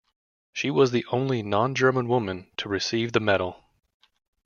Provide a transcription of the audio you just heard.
She was the only non-German woman to receive the medal.